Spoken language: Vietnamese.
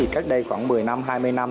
cách đây khoảng một mươi năm hai mươi năm